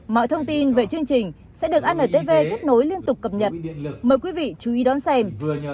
mọi thông tin về chương trình sẽ được antv kết nối liên tục cập nhật mời quý vị chú ý đón xem